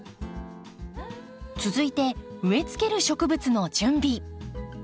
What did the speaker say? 続いて植えつける植物の準備。